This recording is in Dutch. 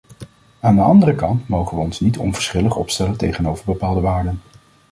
Aan de andere kant mogen we ons niet onverschillig opstellen tegenover bepaalde waarden.